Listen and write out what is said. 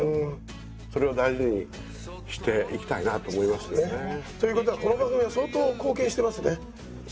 それを大事にしていきたいなと思いましたけどね。ということはこの番組は相当貢献してますね。